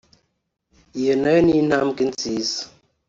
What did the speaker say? iyo na yo ni intambwe nziza